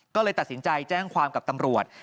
ก็เลยตัดสินใจแจ้งความกับตำรวจ